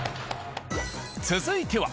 続いては。